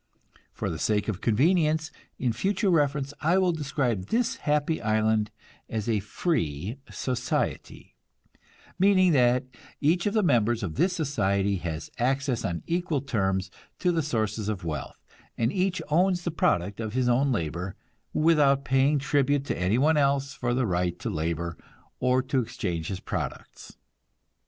For the sake of convenience in future reference, I will describe this happy island as a "free" society; meaning that each of the members of this society has access on equal terms to the sources of wealth, and each owns the product of his own labor, without paying tribute to any one else for the right to labor, or to exchange his products.